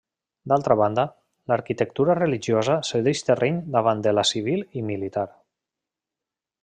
D'altra banda, l'arquitectura religiosa cedeix terreny davant de la civil i militar.